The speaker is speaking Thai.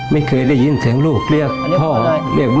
ไม่เคยได้ยินเสียงลูกเรียกพ่อเรียกแม่